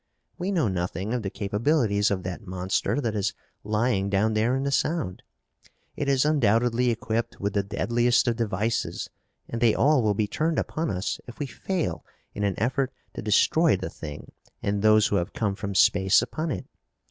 We know nothing of the capabilities of that monster that is lying down there in the Sound. It is undoubtedly equipped with the deadliest of devices and they all will be turned upon us if we fail in an effort to destroy the thing and those who have come from space upon it.